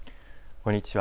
こんにちは。